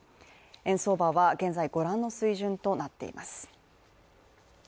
円相場は現在、ご覧の水準となっています。